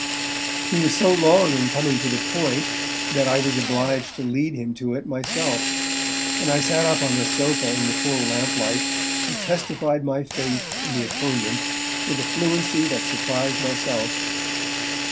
He was so long in coming to the point, that I was obliged to lead him to it myself, and I sat up on the sofa in the full lamplight, and testified my faith in the atonement with a fluency that surprised myself.